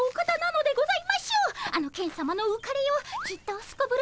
あのケンさまのうかれようきっとすこぶる